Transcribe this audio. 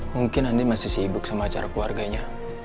mungkin andi masih sibuk sama acara keluarganya